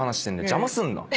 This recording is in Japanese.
邪魔すんな！